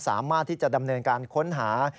สามารถที่จะดำเนินการค้นหา